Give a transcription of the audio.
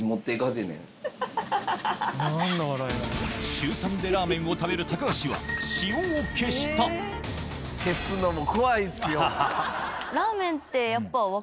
週３でラーメンを食べる高橋は塩を消したでも。